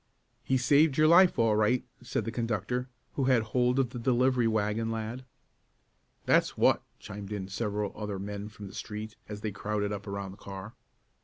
"He saved your life all right," said the conductor, who had hold of the delivery wagon lad. "That's what!" chimed in several other men from the street, as they crowded up around the car.